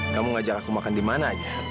kamu ngajar aku makan dimana aja